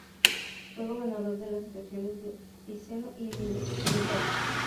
Fue gobernador de las regiones de Piceno y Emilia, en Italia.